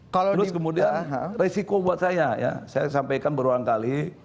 terus kemudian resiko buat saya ya saya sampaikan berulang kali